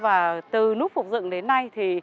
và từ lúc phục dựng lại lễ hội lúc đó là lễ hội